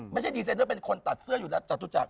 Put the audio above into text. ไม่ใช่ดีเซนเนอร์เป็นคนตัดเสื้ออยู่จัตุจักร